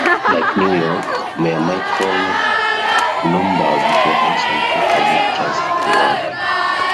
Like New York mayor Michael Bloomberg, Johansson took public transit to work.